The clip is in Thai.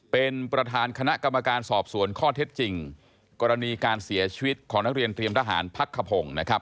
เป็นประธานคณะกรรมการสอบสวนข้อเท็จจริงกรณีการเสียชีวิตของนักเรียนเตรียมทหารพักขพงศ์นะครับ